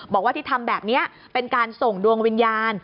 บอกว่าที่ทำแบบนี้เป็นการส่งดวงวิญญาณ